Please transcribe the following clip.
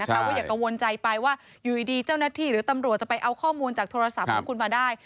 ก็อย่ากังวลใจไปว่าอยู่ดีเจ้าหน้าที่หรือตำรวจจะไปเอาข้อมูลจากโทรศัพท์ของคุณมาได้